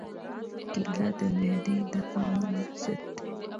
کېله د معدې د حملو ضد ده.